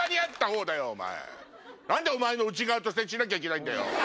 何でおまえの内側と接しなきゃいけないんだよ！